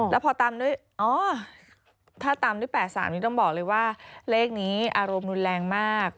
แล้วพอตามด้วยอ๋อถ้าตามด้วย๘๓นี้ต้องบอกเลยว่าเลขนี้อารมณ์รุนแรงมาก